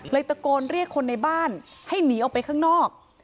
ตะโกนเรียกคนในบ้านให้หนีออกไปข้างนอก